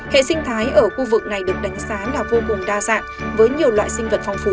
hệ sinh thái ở khu vực này được đánh giá là vô cùng đa dạng với nhiều loại sinh vật phong phú